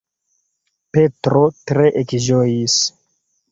Petro tre ekĝojis!